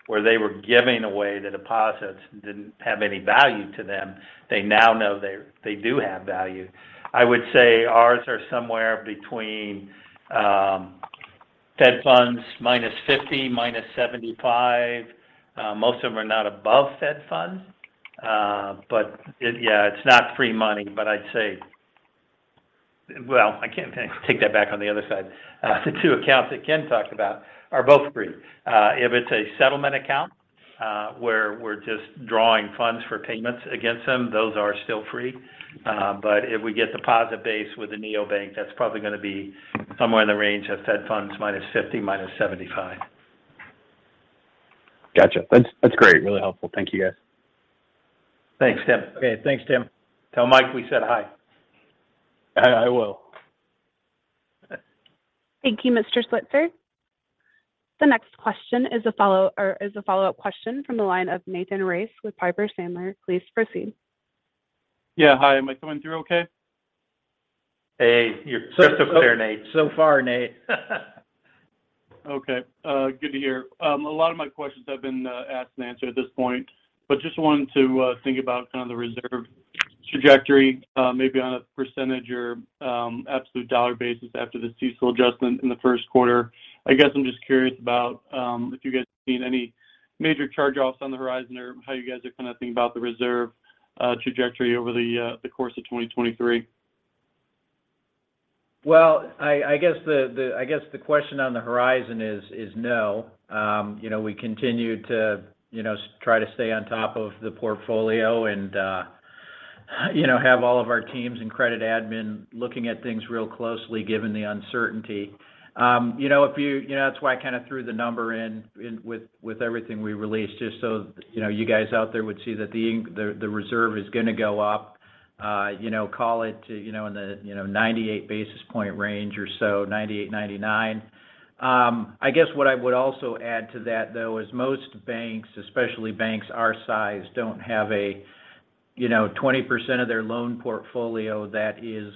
Where they were giving away the deposits and didn't have any value to them, they now know they do have value. I would say ours are somewhere between Fed funds minus 50, minus 75. Most of them are not above Fed funds. Yeah, it's not free money. I'd say. Well, I can't Take that back on the other side. The two accounts that Ken talked about are both free. If it's a settlement account, where we're just drawing funds for payments against them, those are still free. If we get deposit base with the neobank, that's probably gonna be somewhere in the range of Fed funds minus 50, minus 75. Gotcha. That's great. Really helpful. Thank you, guys. Thanks, Tim. Okay. Thanks, Tim. Tell Mike we said hi. I will. All right. Thank you, Mr. Switzer. The next question is a follow-up question from the line of Nathan Race with Piper Sandler. Please proceed. Yeah. Hi. Am I coming through okay? Hey. You're crystal clear, Nate. So far, Nate. Okay. Good to hear. A lot of my questions have been asked and answered at this point. Just wanted to think about kind of the reserve trajectory, maybe on a percentage or absolute dollar basis after the CECL adjustment in the first quarter. I guess I'm just curious about if you guys have seen any major charge-offs on the horizon or how you guys are kind of thinking about the reserve trajectory over the course of 2023? I guess the question on the horizon is no. you know, we continue to, you know, try to stay on top of the portfolio and. You know, have all of our teams and credit admin looking at things real closely given the uncertainty. You know, that's why I kind of threw the number in with everything we released, just so, you know, you guys out there would see that the reserve is gonna go up. You know, call it to, you know, in the, you know, 98 basis point range or so, 98-99. I guess what I would also add to that, though, is most banks, especially banks our size, don't have a, you know, 20% of their loan portfolio that is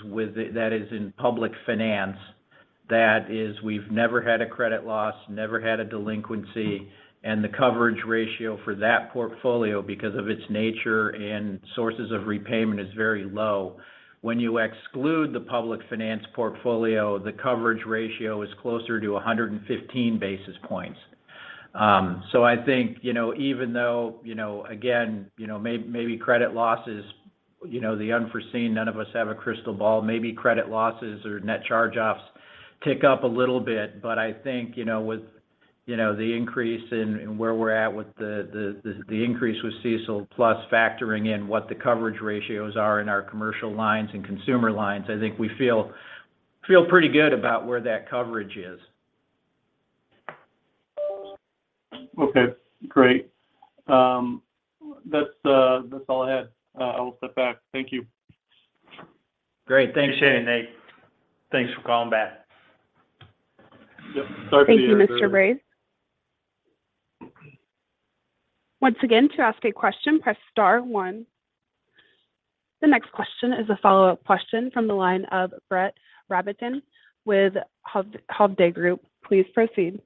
in public finance. That is, we've never had a credit loss, never had a delinquency, and the coverage ratio for that portfolio, because of its nature and sources of repayment, is very low. When you exclude the public finance portfolio, the coverage ratio is closer to 115 basis points. I think, you know, even though, you know, again, you know, maybe credit losses, you know, the unforeseen, none of us have a crystal ball. Maybe credit losses or net charge-offs tick up a little bit. I think, you know, with, you know, the increase in where we're at with the increase with CECL, plus factoring in what the coverage ratios are in our commercial lines and consumer lines, I think we feel pretty good about where that coverage is. Okay, great. That's all I had. I will step back. Thank you. Great. Thanks, Shane and Nate. Thanks for calling back. Yep. Sorry for the- Thank you, Mr. Brace. Once again, to ask a question, press star 1. The next question is a follow-up question from the line of Brett Rabatin with Hovde Group. Please proceed.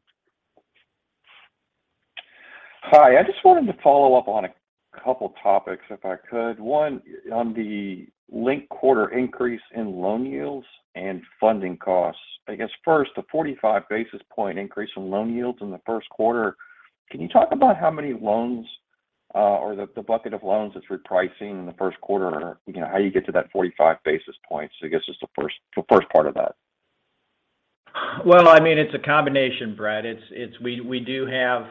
Hi. I just wanted to follow up on a couple topics, if I could. One, on the linked quarter increase in loan yields and funding costs. I guess first, the 45 basis point increase in loan yields in the first quarter, can you talk about how many loans, or the bucket of loans that's repricing in the first quarter? You know, how you get to that 45 basis points, I guess is the first, the first part of that? Well, I mean, it's a combination, Brett. It's we do have,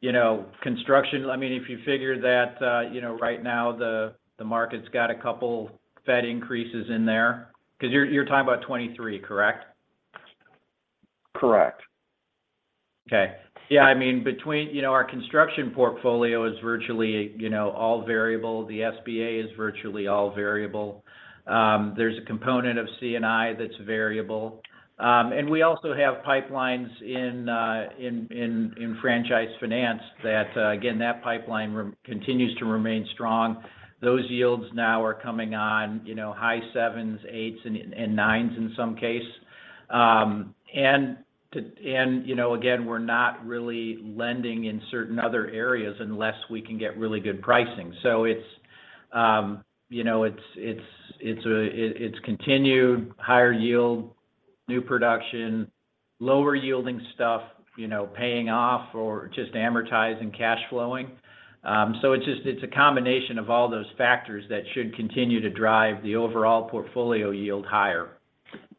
you know, construction. I mean, if you figure that, you know, right now the market's got a couple Fed increases in there. 'Cause you're talking about 23, correct? Correct. Okay. Yeah, I mean, you know, our construction portfolio is virtually, you know, all variable. The SBA is virtually all variable. There's a component of C&I that's variable. We also have pipelines in franchise finance that again, that pipeline continues to remain strong. Those yields now are coming on, you know, high 7s, 8s, and 9s in some case. You know, again, we're not really lending in certain other areas unless we can get really good pricing. It's, you know, it's, it's continued higher yield, new production. Lower yielding stuff, you know, paying off or just amortizing, cash flowing. It's just, it's a combination of all those factors that should continue to drive the overall portfolio yield higher.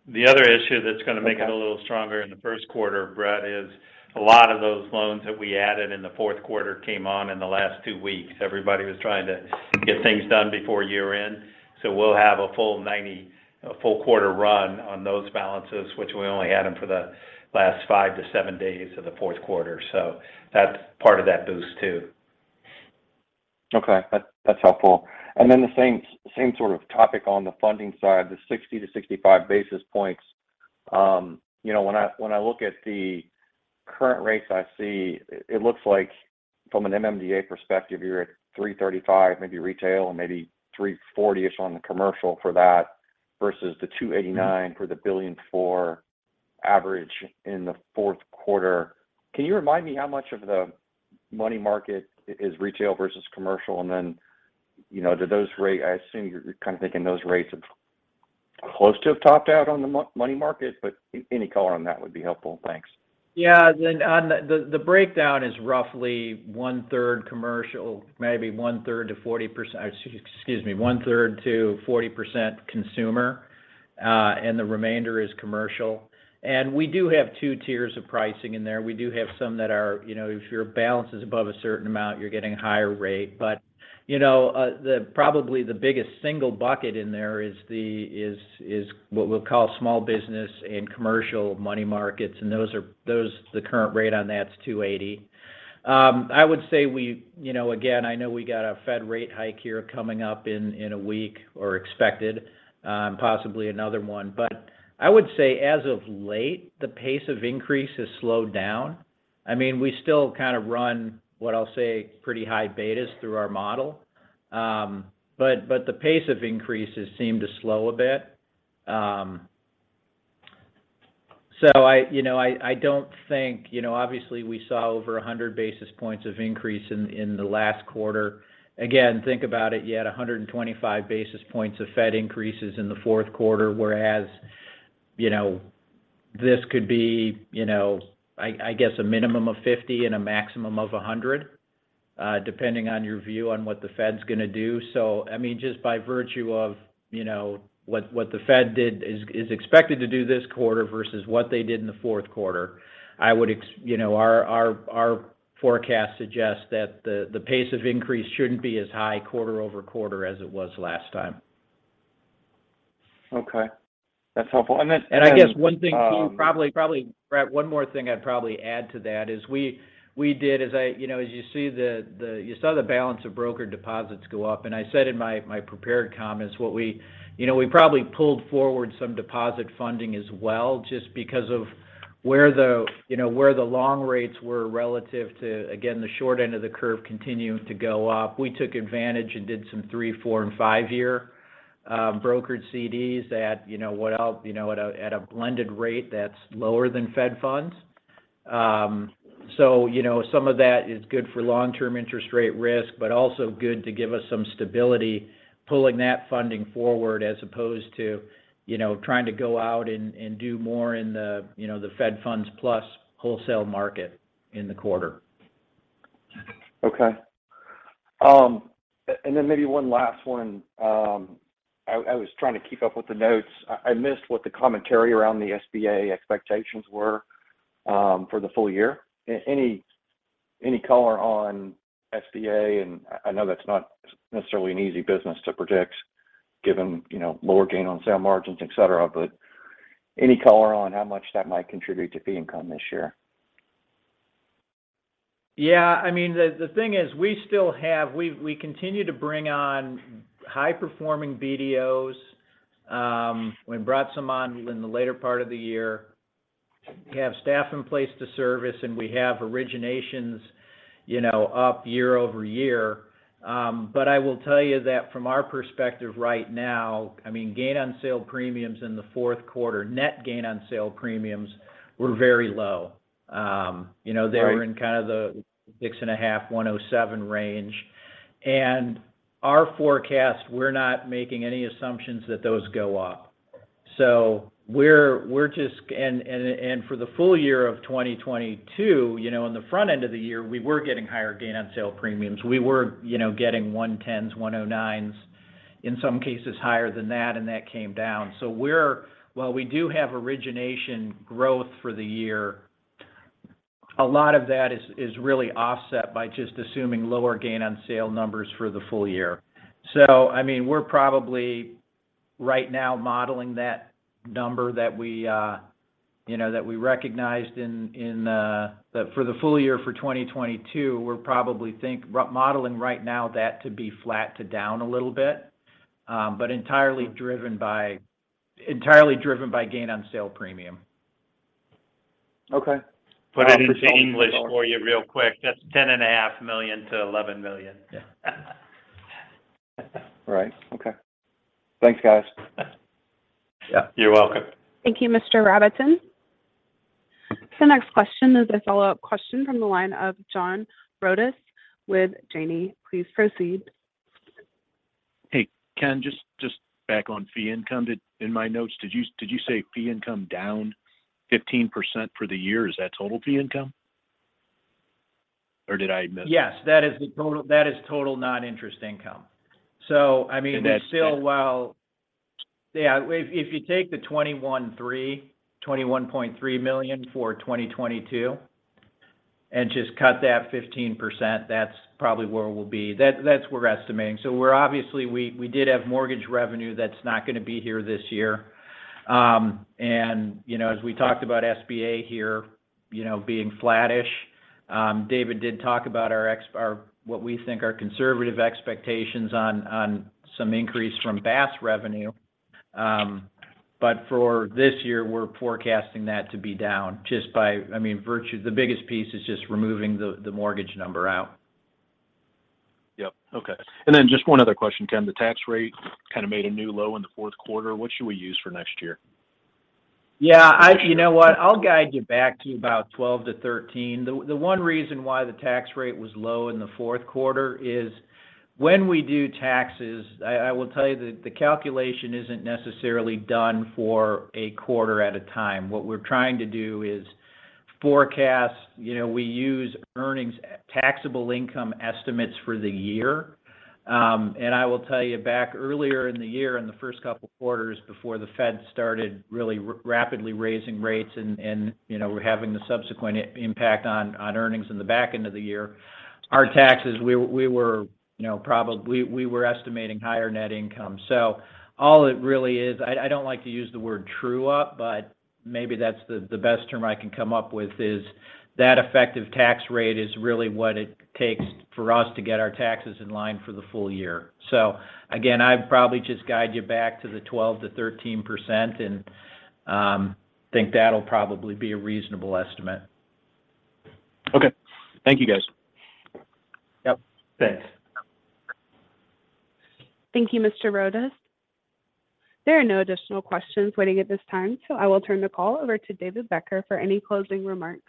The other issue that's gonna make it. Okay... a little stronger in the first quarter, Brett, is a lot of those loans that we added in the fourth quarter came on in the last two weeks. Everybody was trying to get things done before year-end, so we'll have a full 90, you know, full quarter run on those balances, which we only had them for the last 5-7 days of the fourth quarter. So that's part of that boost, too. Okay. That's helpful. Then the same sort of topic on the funding side, the 60 to 65 basis points. you know, when I look at the current rates I see, it looks like from an MMDA perspective, you're at 3.35% maybe retail and maybe 3.40%-ish on the commercial for that versus the 2.89% for the $1.4 billion average in the fourth quarter. Can you remind me how much of the money market is retail versus commercial? Then, you know, do those. I assume you're kind of thinking those rates have close to topped out on the money market, but any color on that would be helpful. Thanks. On the breakdown is roughly one-third commercial, maybe one-third to 40% consumer, and the remainder is commercial. We do have 2 tiers of pricing in there. We do have some that are, you know, if your balance is above a certain amount, you're getting a higher rate. You know, probably the biggest single bucket in there is what we'll call small business and commercial money markets, the current rate on that's 2.80%. I would say we, you know, again, I know we got a Fed rate hike here coming up in 1 week or expected, possibly another one. I would say as of late, the pace of increase has slowed down. I mean, we still kind of run what I'll say pretty high betas through our model. The pace of increases seem to slow a bit. I, you know, I don't think, you know, obviously we saw over 100 basis points of increase in the last quarter. Again, think about it, you had 125 basis points of Fed increases in the fourth quarter, whereas, you know, this could be, you know, I guess a minimum of 50 and a maximum of 100, depending on your view on what the Fed's gonna do. I mean, just by virtue of you know, what the Fed did is expected to do this quarter versus what they did in the fourth quarter. I would you know, our forecast suggests that the pace of increase shouldn't be as high quarter-over-quarter as it was last time. Okay. That's helpful. I guess one thing too probably, Brett, one more thing I'd probably add to that is we did. You know, as you saw the balance of broker deposits go up, and I said in my prepared comments You know, we probably pulled forward some deposit funding as well just because of where the, you know, where the long rates were relative to, again, the short end of the curve continuing to go up. We took advantage and did some 3, 4, and 5-year brokered CDs that, you know, went out, you know, at a blended rate that's lower than Fed Funds. You know, some of that is good for long-term interest rate risk, but also good to give us some stability pulling that funding forward as opposed to, you know, trying to go out and do more in the, you know, the Fed Funds plus wholesale market in the quarter. Okay. Then maybe one last one. I was trying to keep up with the notes. I missed what the commentary around the SBA expectations were for the full year. Any, any color on SBA? I know that's not necessarily an easy business to predict given, you know, lower gain on sale margins, et cetera. Any color on how much that might contribute to fee income this year? Yeah. I mean, the thing is we continue to bring on high-performing BDOs. We brought some on in the later part of the year. We have staff in place to service, we have originations, you know, up year-over-year. I will tell you that from our perspective right now, I mean, gain on sale premiums in the fourth quarter, net gain on sale premiums were very low. You know. Right... they were in kind of the 6.5, 1.7 range. Our forecast, we're not making any assumptions that those go up. We're just. For the full year of 2022, you know, in the front end of the year, we were getting higher gain on sale premiums. We were, you know, getting 110s, 109s, in some cases higher than that, and that came down. While we do have origination growth for the year, a lot of that is really offset by just assuming lower gain on sale numbers for the full year. I mean, we're probably right now modeling that number that we, you know, that we recognized in, for the full year for 2022. We're probably modeling right now that to be flat to down a little bit, entirely driven by gain on sale premium. Okay. Put it into English for you real quick. That's $ten and a half million-$11 million. Yeah. Right. Okay. Thanks, guys. Yeah. You're welcome. Thank you, Mr. Rabatin. The next question is a follow-up question from the line of John Rodis with Janney. Please proceed. Hey, Ken, just back on fee income. In my notes, did you say fee income down 15% for the year? Is that total fee income, or did I miss? Yes, that is total non-interest income. That's that.... we're still well. Yeah, if you take the $21.3 million for 2022 and just cut that 15%, that's probably where we'll be. That's what we're estimating. We're obviously we did have mortgage revenue that's not gonna be here this year. You know, as we talked about SBA here, you know, being flattish, David did talk about our what we think are conservative expectations on some increase from BaaS revenue. For this year, we're forecasting that to be down just by, I mean, virtue. The biggest piece is just removing the mortgage number out. Yep. Okay. Just one other question, Ken. The tax rate kind of made a new low in the fourth quarter. What should we use for next year? Yeah, you know what? I'll guide you back to about 12-13. The one reason why the tax rate was low in the fourth quarter is when we do taxes, I will tell you the calculation isn't necessarily done for a quarter at a time. What we're trying to do is forecast. You know, we use taxable income estimates for the year. I will tell you back earlier in the year, in the first couple quarters before the Fed started really rapidly raising rates and, you know, having the subsequent impact on earnings in the back end of the year, our taxes, we were, you know, estimating higher net income. All it really is, I don't like to use the word true up, but maybe that's the best term I can come up with is that effective tax rate is really what it takes for us to get our taxes in line for the full year. Again, I'd probably just guide you back to the 12% to 13% and think that'll probably be a reasonable estimate. Okay. Thank you, guys. Yep. Thanks. Thank you, Mr. Ro. There are no additional questions waiting at this time, so I will turn the call over to David Becker for any closing remarks.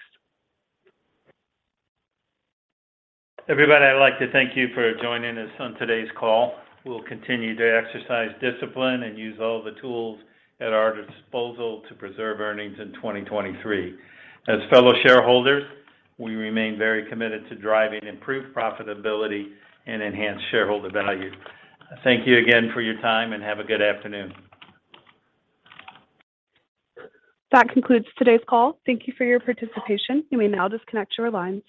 Everybody, I'd like to thank you for joining us on today's call. We'll continue to exercise discipline and use all the tools at our disposal to preserve earnings in 2023. As fellow shareholders, we remain very committed to driving improved profitability and enhanced shareholder value. Thank you again for your time, and have a good afternoon. That concludes today's call. Thank you for your participation. You may now disconnect your lines.